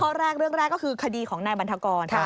ข้อแรกเรื่องแรกก็คือคดีของนายบันทกร